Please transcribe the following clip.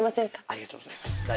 ありがとうございます。